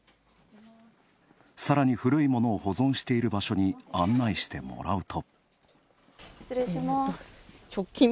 さらに古いものを保存している場所に案内してもらうと。